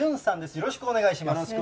よろしくお願いします。